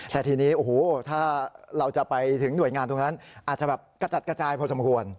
แต่ทีนี้โอ้โหถ้าเราจะไปถึงหน่วยงานตรงนั้นอาจจะแบบกระจัดกระจายพอสมควร